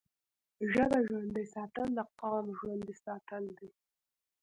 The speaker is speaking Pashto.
ژبه ژوندی ساتل د قام ژوندی ساتل دي.